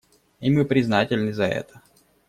И мы признательны за это.